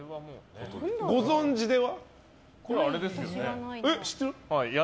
ご存じでは？